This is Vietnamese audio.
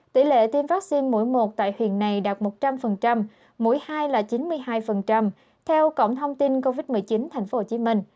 tỷ lệ tiêm vaccine mỗi một tại huyện này đạt một trăm linh mũi hai là chín mươi hai theo cổng thông tin covid một mươi chín tp hcm